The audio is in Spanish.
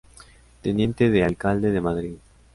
Teniente de alcalde de Madrid.